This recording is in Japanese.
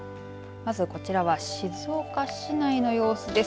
まず、こちらは静岡市内の様子です。